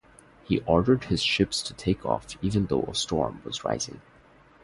He ordered his ships to take off even though a storm was rising.